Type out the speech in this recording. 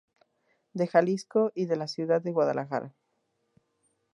De Jalisco y de la Ciudad de Guadalajara.